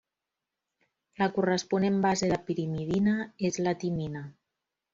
La corresponent base de pirimidina és la timina.